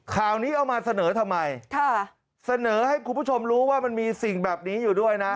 ข่าวนี้เอามาเสนอทำไมเสนอให้คุณผู้ชมรู้ว่ามันมีสิ่งแบบนี้อยู่ด้วยนะ